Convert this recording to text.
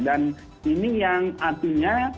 dan ini yang artinya